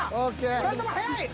２人とも早い。